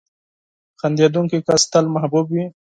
• خندېدونکی کس تل محبوب وي.